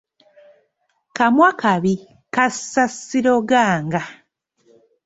Kamwa-kabi, kassa Siroganga.